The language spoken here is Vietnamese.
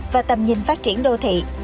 và tầm nhìn phát triển đô thị